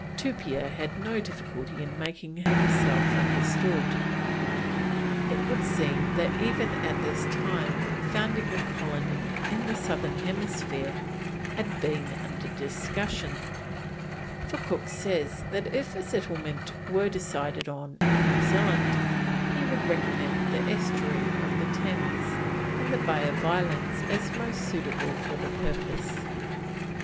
Tupia had no difficulty in making himself understood. It would seem that even at this time founding a colony in the southern hemisphere had been under discussion, for Cook says that if a settlement were decided on in New Zealand, he would recommend the Estuary of the Thames and the Bay of Islands as most suitable for the purpose.